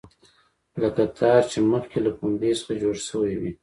لکه تار چې مخکې له پنبې څخه جوړ شوی وي.